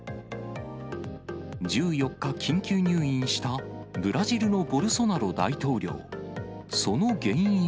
１４日、緊急入院したブラジルのボルソナロ大統領。